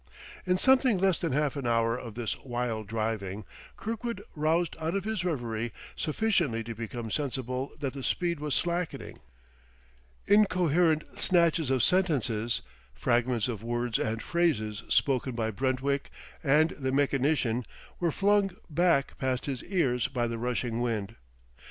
In something less than half an hour of this wild driving, Kirkwood roused out of his reverie sufficiently to become sensible that the speed was slackening. Incoherent snatches of sentences, fragments of words and phrases spoken by Brentwick and the mechanician, were flung back past his ears by the rushing wind.